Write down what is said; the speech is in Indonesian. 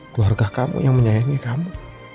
keluarga kamu yang menyayangi kamu